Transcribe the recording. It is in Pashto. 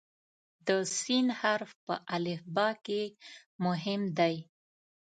د "س" حرف په الفبا کې مهم دی.